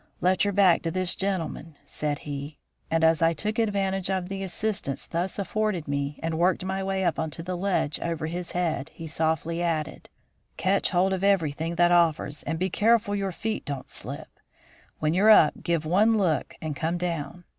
"Lend your back to this gentleman," said he; and as I took advantage of the assistance thus afforded me and worked my way up onto the ledge over his head, he softly added: "Catch hold of everything that offers, and be careful your feet don't slip. When you're up, give one look and come down.